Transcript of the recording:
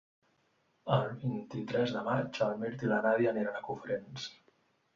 El vint-i-tres de maig en Mirt i na Nàdia aniran a Cofrents.